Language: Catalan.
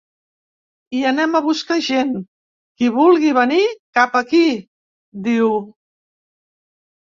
“Hi anem a buscar gent, qui vulgui venir, cap aquí”, diu.